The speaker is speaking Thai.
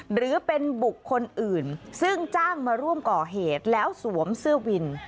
หรือเป็นบุคคลอื่นซึ่งจ้างมาร่วมก่อเหตุแล้วสวมเสื้อวิน